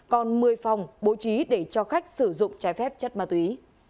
còn một mươi phòng bố trí để cho khách sử dụng trái phép chất ma túy